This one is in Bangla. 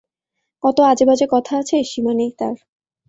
কত আজেবাজে কথা আছে, সীমা নেই তার।